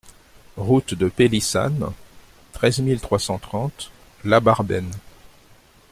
Route de Pélissanne, treize mille trois cent trente La Barben